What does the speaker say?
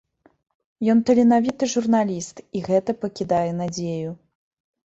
Ён таленавіты журналіст, і гэта пакідае надзею.